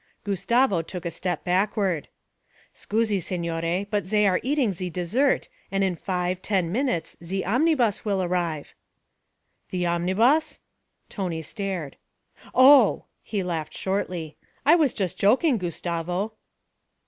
Gustavo took a step backward. 'Scusi, signore, but zay are eating ze dessart and in five ten minutes ze omnibus will arrive.' 'The omnibus?' Tony stared. 'Oh!' he laughed shortly. 'I was just joking, Gustavo.'